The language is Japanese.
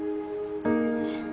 えっ？